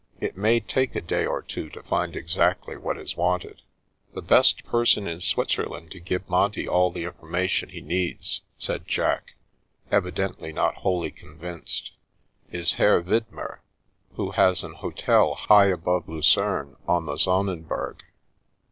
It may take a day or two to find exactly what is wanted." " The best person in Switzerland to give Monty all the information he needs," said Jack, evidently not wholly convinced, " is Herr Widmer, who has an hotel high above Lucerne, on the Sonnenberg.